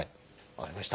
分かりました。